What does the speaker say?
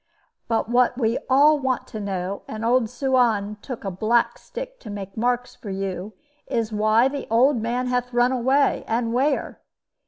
"But what we all want to know and old Suan took a black stick to make marks for you is why the old man hath run away, and where.